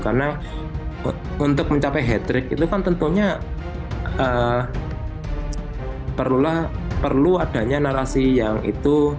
karena untuk mencapai hat trick itu kan tentunya perlu adanya narasi yang itu